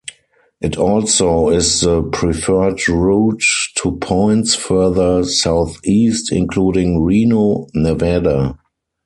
It also is the preferred route to points further southeast, including Reno, Nevada.